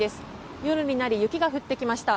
夜になり、雪が降ってきました。